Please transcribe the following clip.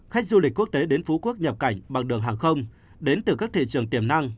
khách du lịch quốc tế đến phú quốc nhập cảnh bằng đường hàng không đến từ các thị trường tiềm năng